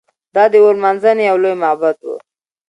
دا د اور لمانځنې یو لوی معبد و